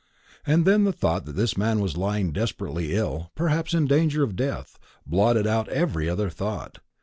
And then the thought that this man was lying desperately ill, perhaps in danger of death, blotted out every other thought.